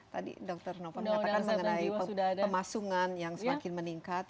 tadi dokter novo mengatakan mengenai pemasungan yang semakin meningkat